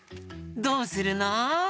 どうするの？